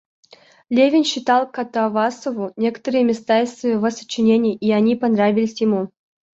Левин читал Катавасову некоторые места из своего сочинения, и они понравились ему.